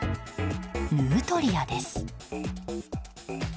ヌートリアです。